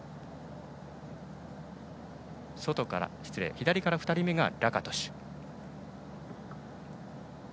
左から２人目がラカトシュ。